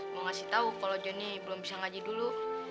mau kasih tau kalau joni belum bisa ngaji dulu